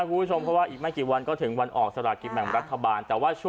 ขอบคุณผู้ชมเพราะว่าอีกไม่กี่วันก็ถึงวันออกสละกิจแหม่มรัฐบาล